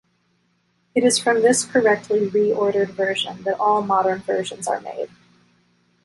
It is from this correctly re-ordered version that all modern versions are made.